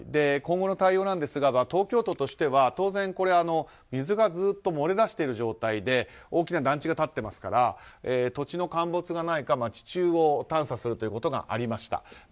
今後の対応なんですが東京都としては当然水がずっと漏れ出している状態で大きな団地が立ってますから土地の陥没がないか、地中を探査するということがありました。